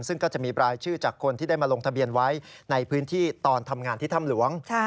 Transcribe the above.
ซึ่งก็จะมีรายชื่อจากคนที่ได้มาลงทะเบียนไว้ในพื้นที่ตอนทำงานที่ถ้ำหลวง